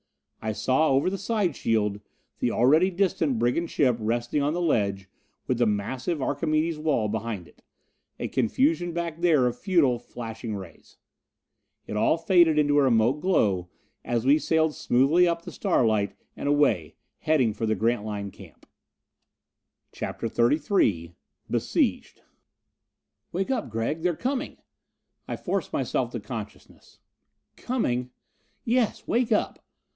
I saw, over the side shield, the already distant brigand ship resting on the ledge with the massive Archimedes' wall behind it. A confusion back there of futile flashing rays. It all faded into a remote glow as we sailed smoothly up into the starlight and away, heading for the Grantline camp. CHAPTER XXXIII Besieged! "Wake up, Gregg! They're coming!" I forced myself to consciousness. "Coming " "Yes. Wake up!"